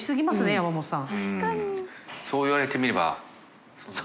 山本さん）